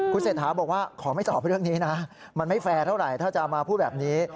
คุณเศรษฐาบอกว่าขอไม่ตอบเรื่องนี้นะมันไม่แฟร์เท่าไหร่ถ้าจะมาพูดแบบนี้